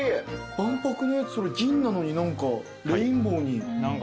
万博のやつそれ銀なのに何かレインボーに。